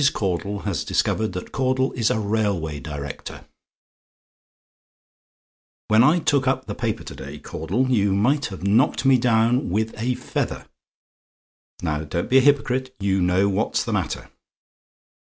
CAUDLE HAS DISCOVERED THAT CAUDLE IS A RAILWAY DIRECTOR "When I took up the paper to day, Caudle, you might have knocked me down with a feather! Now, don't be a hypocrite you know what's the matter.